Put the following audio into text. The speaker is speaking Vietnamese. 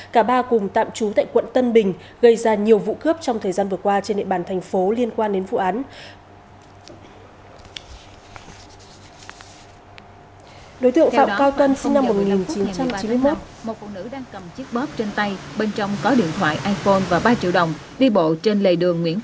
cảm ơn các bạn đã theo dõi